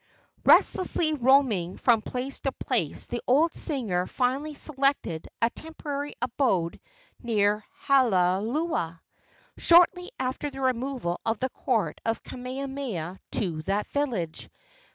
Restlessly roaming from place to place, the old singer finally selected a temporary abode near Halaula, shortly after the removal of the court of Kamehameha to that village.